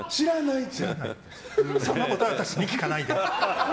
そんなこと私に聞かないでって。